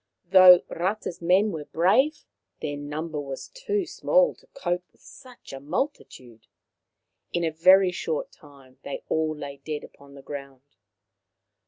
Though Rata's men were brave, their number was too small to cope with such a multitude. In a very short time they all lay dead upon the ground.